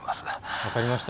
分かりました。